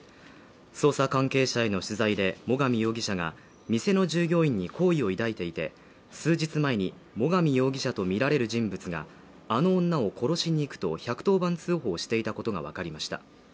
捜査関係者への取材で、最上容疑者が店の従業員に好意を抱いていて数日前に最上容疑者とみられる人物が、あの女を殺しに行くと１１０番通報していたことがわかりました。